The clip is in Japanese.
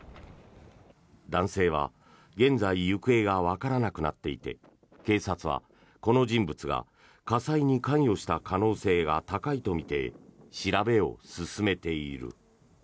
男性は、現在行方がわからなくなっていて警察はこの人物が火災に関与した可能性が高いとみて調べを進めている。